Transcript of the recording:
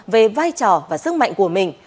về vai trò và sức mạnh của mình